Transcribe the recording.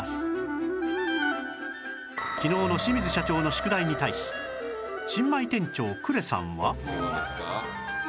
昨日の清水社長の宿題に対し新米店長呉さんは